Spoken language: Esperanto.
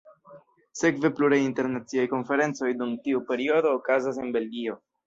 Sekve pluraj internaciaj konferencoj dum tiu periodo okazas en Belgio.